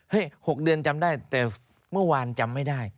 ๖เดือนจำได้แต่เมื่อวานจำไม่ได้